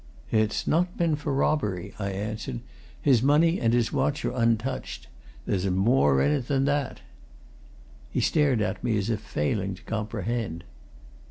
"It's not been for robbery," I answered. "His money and his watch are untouched. There's more in it than that." He stared at me as if failing to comprehend.